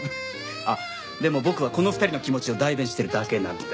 あっでも僕はこの２人の気持ちを代弁してるだけなので。